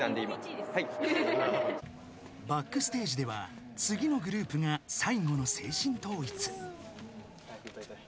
［バックステージでは次のグループが最後の精神統一］早く歌いたい。